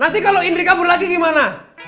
nanti kalau indri kabur lagi gimana